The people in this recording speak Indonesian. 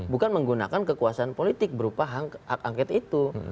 bukan menggunakan kekuasaan politik berupa hak angket itu